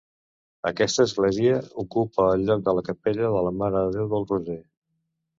Aquesta església ocupa el lloc de la capella de la Mare de Déu del Roser.